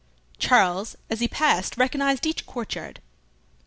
Charles as he passed recognised each courtyard.